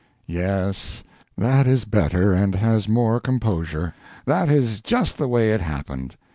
Yes, that is better and has more composure. That is just the way it happened.